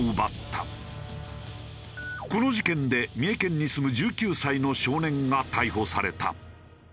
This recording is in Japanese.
この事件で三重県に住む１９歳の少年が逮捕された。